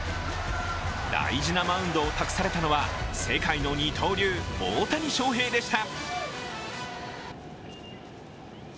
大事なマウンドを託されたのは世界の二刀流・大谷翔平でした。